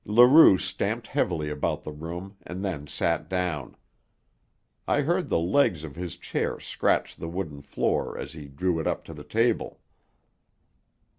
Leroux stamped heavily about the room and then sat down. I heard the legs of his chair scratch the wooden floor as he drew it up to the table.